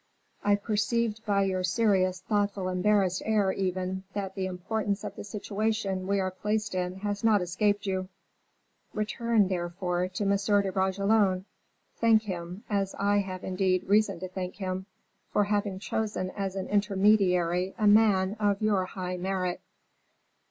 I perceived by your serious, thoughtful, embarrassed air, even, that the importance of the situation we are placed in has not escaped you. Return, therefore, to M. de Bragelonne; thank him as I have indeed reason to thank him for having chosen as an intermediary a man of your high merit.